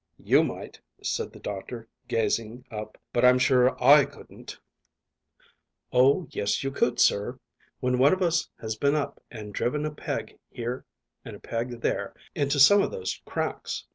"You might," said the doctor, gazing up, "but I'm sure I couldn't." "Oh yes, you could, sir, when one of us has been up and driven a peg here and a peg there into some of those cracks.